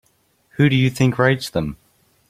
Who do you think writes them?